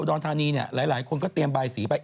ที่อำเภอบ้านดูจวัยอุดรทานีหลายคนก็เตรียมบายสีไป